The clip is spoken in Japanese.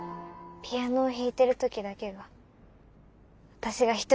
ピアノを弾いてる時だけは私が１人になれる。